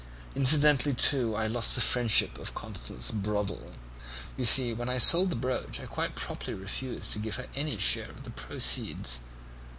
Incidentally, too, I lost the friendship of Constance Broddle. You see, when I sold the brooch I quite properly refused to give her any share of the proceeds.